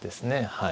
はい。